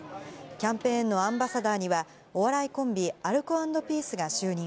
キャンペーンのアンバサダーには、お笑いコンビ、アルコ＆ピースが就任。